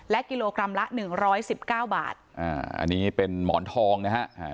และกิโลกรัมละหนึ่งร้อยสิบเก้าบาทอ่าอันนี้เป็นหมอนทองนะฮะอ่า